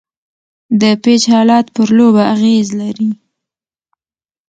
د پيچ حالت پر لوبه اغېز لري.